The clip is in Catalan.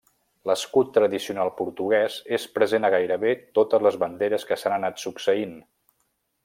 L'escut tradicional portuguès és present a gairebé totes les banderes que s'han anat succeint.